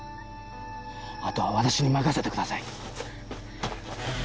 あとは私に任せてください。